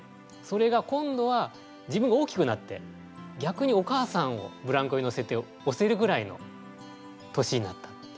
それが今度は自分が大きくなってぎゃくにお母さんをぶらんこにのせて押せるぐらいの年になったって。